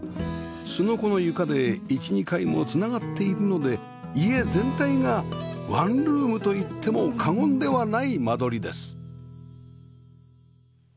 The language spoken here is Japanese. すのこの床で１２階も繋がっているので家全体がワンルームといっても過言ではない間取りです